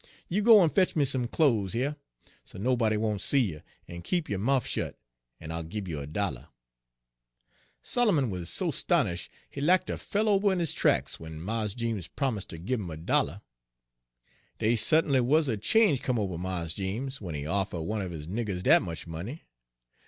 You go en fetch me some clo's heah, so nobody won't see you, en keep yo' mouf shet, en I'll gib you a dollah.' "Solomon wuz so 'stonish' he lack ter fell ober in his tracks, w'en Mars Jeems promus' ter gib 'im a dollah. Dey su't'nly Page 93 wuz a change come ober Mars Jeems, w'en he offer' one er his niggers dat much money.